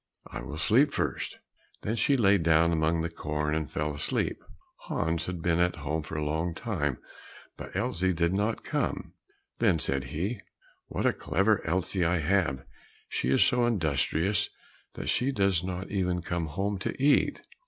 I will sleep first." Then she lay down among the corn and fell asleep. Hans had been at home for a long time, but Elsie did not come; then said he, "What a clever Elsie I have; she is so industrious that she does not even come home to eat."